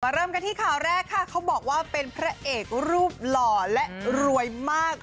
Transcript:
เริ่มกันที่ข่าวแรกค่ะเขาบอกว่าเป็นพระเอกรูปหล่อและรวยมาก